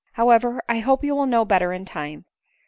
However, I hope you will know better in time.